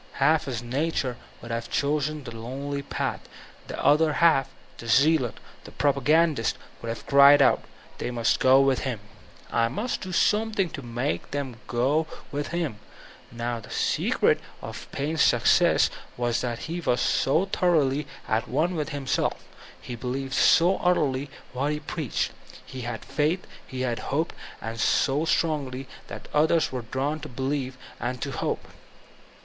Half his nature would have chosen the tonely path; the other half, the zealot, the propagandist, would have cried out, they must go widi me; I must do something to make them go with me. Now the secret of Paine's success was that he was so thoroughly at one with himself, he believed so utterly what he preached, he had faith, he hoped, and so strongly tfial others were drawn to believe and to hope.